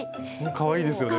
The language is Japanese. かわいいですよね。